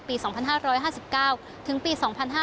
ปี๒๕๕๙ถึงปี๒๕๕๙